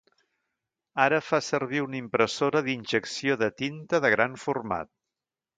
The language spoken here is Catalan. Ara fa servir una impressora d'injecció de tinta de gran format.